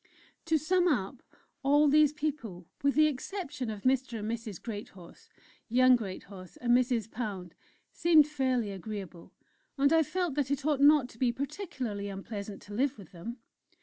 To sum up, all these people, with the exception of Mr. and Mrs. Greathorse, young Greathorse, and Mrs. Pound, seemed fairly agreeable, and I felt that it ought not to be particularly unpleasant to live with them.